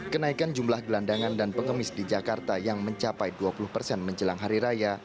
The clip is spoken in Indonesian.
kenaikan jumlah gelandangan dan pengemis di jakarta yang mencapai dua puluh persen menjelang hari raya